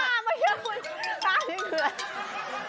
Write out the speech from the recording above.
ห้ามมาเยอะห้ามนี่เหนือ